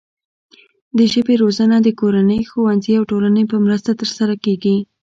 د ژبې روزنه د کورنۍ، ښوونځي او ټولنې په مرسته ترسره کیږي.